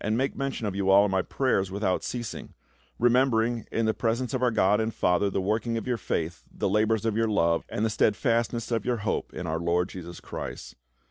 347 make mention of you all in my prayers without ceas ing ; remembering, in the presence of our God and Father, the working of your faith, the labors of your love, and the steadfastness of your hope in our Lord Jesus Christ.